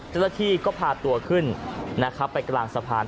เจ้าหน้าที่ก็พาตัวขึ้นนะครับไปกลางสะพาน